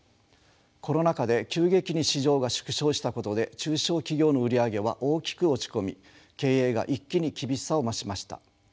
コロナ禍で急激に市場が縮小したことで中小企業の売り上げは大きく落ち込み経営が一気に厳しさを増しました。